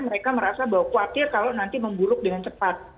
mereka merasa bahwa khawatir kalau nanti memburuk dengan cepat